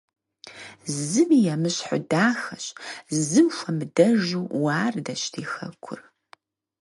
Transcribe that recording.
Зыми емыщхьу дахэщ, зым хуэмыдэжу уардэщ ди хэкур.